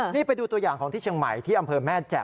นี่ไปดูตัวอย่างของที่เชียงใหม่ที่อำเภอแม่แจ่